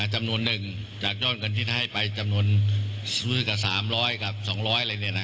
จำนวนหนึ่งจากย่อนเงินที่ให้ไปจำนวนสูงสุดกับ๓๐๐๒๐๐บาท